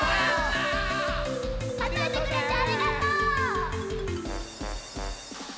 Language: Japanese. かぞえてくれてありがとう！